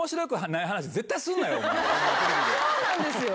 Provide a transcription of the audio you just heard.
そうなんですよ！